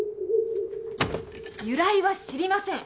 由来は知りません。